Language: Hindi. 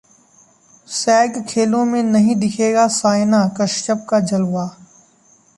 सैग खेलों में नहीं दिखेगा सायना, कश्यप का जलवा